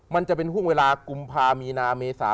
มันจะเป็นห่วงเวลากุมภามีนาเมษา